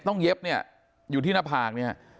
เย็บเนี่ยอยู่ที่หน้าผากเนี่ย